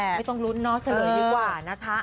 ไม่ต้องลุ้นเนาะเฉลยดีกว่านะคะ